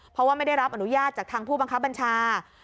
เพราะว่าไม่ได้รับอนุญาตจากทางผู้บังคับบัญชา